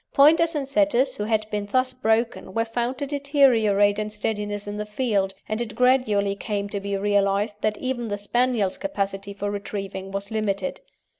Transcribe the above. Pointers and Setters who had been thus broken were found to deteriorate in steadiness in the field, and it gradually came to be realised that even the Spaniel's capacity for retrieving was limited.